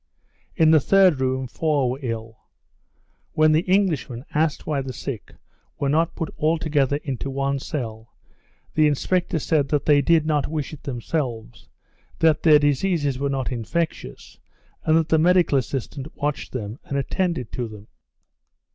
In the third room four were ill. When the Englishman asked why the sick were not put all together into one cell, the inspector said that they did not wish it themselves, that their diseases were not infectious, and that the medical assistant watched them and attended to them.